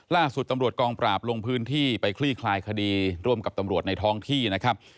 ล่าสุดตำรวจกองปราบลงพื้นที่ไปคลี่คลายคดีร่วมกับตำรวจในท้องที่นะครับ